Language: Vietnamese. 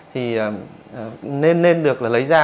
thì nên được lấy ra